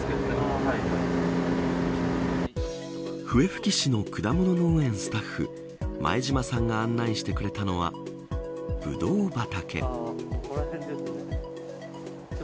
笛吹市の果物農園スタッフ前島さんが案内してくれたのはブドウ畑。